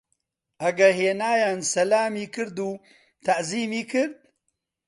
ئەگە هینایان سەلامی کرد و تەعزیمی کرد؟